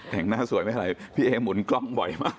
แต่งหน้าสวยไม่อะไรพี่เอหมุนกล้องบ่อยมาก